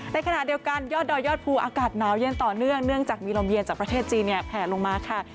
ในขณะเดียวกันยอดดอยยอดภูอากาศหนาวเย็นต่อเนื่องเนื่องจากมีลมเย็นจากประเทศจีนเนี่ยแผลลงมาค่ะ